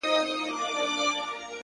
هو زه پوهېږمه؛ خیر دی یو بل چم وکه؛